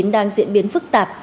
đang diễn biến phức tạp